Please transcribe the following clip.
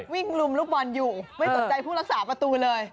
วิ่งรุมลูกบ่นอยู่ไม่ต้นใจผู้รักษาประตูเลย